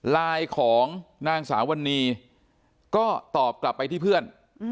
ไลน์ของนางสาววันนี้ก็ตอบกลับไปที่เพื่อน